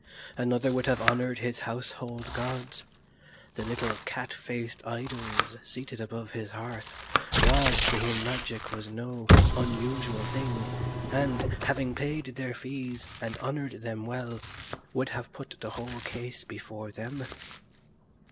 Another would have honoured his household gods, the little cat faced idols seated above his hearth, gods to whom magic was no unusual thing, and, having paid their fees and honoured them well, would have put the whole case before them.